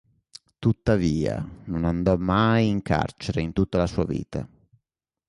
Tuttavia non andò mai in carcere in tutta la sua vita.